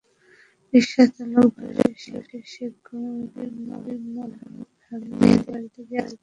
রিকশা চালক দৌড়ে পাশে শেখ গোষ্ঠির মেহেদী হাসানের বাড়িতে গিয়ে আশ্রয় নেন।